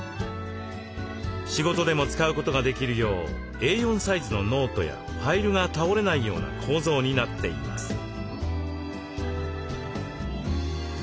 仕事でも使うことができるようＡ４サイズのノートやファイルが倒れないような構造になっています。